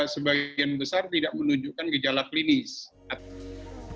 sebagian besar tidak menunjukkan gejala hasil penelitian tersebut jadi ini juga membuat anak anak